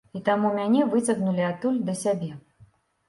І таму мяне выцягнулі адтуль да сябе.